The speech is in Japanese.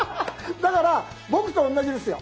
だから僕と同じですよ。